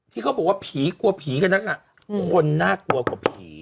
ที่เขาบอกว่าผีกลัวผีกันนักคนน่ากลัวกว่าผี